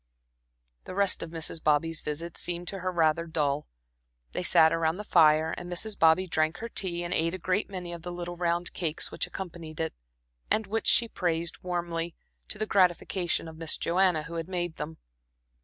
The rest of Mrs. Bobby's visit seemed to her rather dull. They sat around the fire, and Mrs. Bobby drank her tea and ate a great many of the little round cakes which accompanied it, and which she praised warmly, to the gratification of Miss Joanna, who had made them.